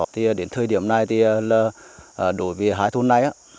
thì đến thời điểm này thì là đổi về hai thôn này á